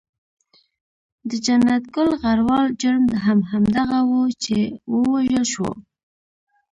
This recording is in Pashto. د جنت ګل غروال جرم هم همدغه وو چې و وژل شو.